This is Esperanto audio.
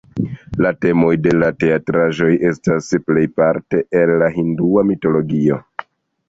La temoj de la teatraĵoj estas plejparte el la hindua mitologio.